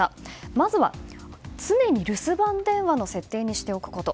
まずは、常に留守番電話の設定にしておくこと。